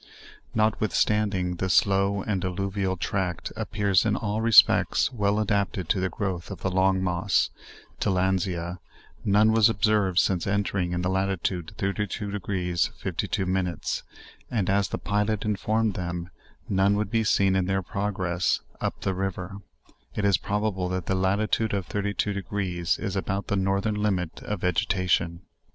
Notwithstanding, this low and alluvial tract appears in all respects well adap ted to the growth of the long moss (tilandsia) none was ob served since entering it in latitude 32. 52; and as the pilot imforrned them, none would be seen in their progress up the river, it is probable that the latitude of the thirty three de grees is about the northern limit of vegetation.